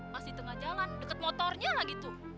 pas di tengah jalan deket motornya lah gitu